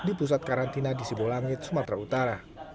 di pusat karantina di sibolangit sumatera utara